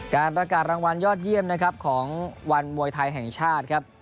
การประกาศรางวัลยอดเยี่ยมนะครับของวันมวยไทยแห่งชาติครับ